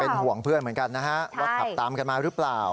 ห่วงเพื่อนเหมือนกันนะฮะว่าขับตามกันมาหรือเปล่า